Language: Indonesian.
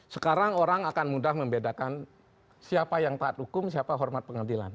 sekarang orang akan mudah membedakan siapa yang taat hukum siapa hormat pengadilan